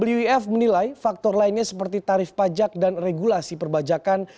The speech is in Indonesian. wf menilai faktor lainnya seperti tarif pajak dan regulasi perbajakan